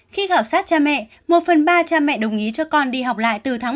khi khảo sát cha mẹ một phần ba cha mẹ đồng ý cho con đi học lại từ tháng một mươi